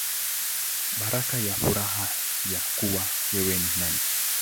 Baraka na Furaha Ya Kuwa Wewe Ni Nani.